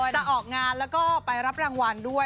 จะออกงานแล้วก็ไปรับรางวัลด้วย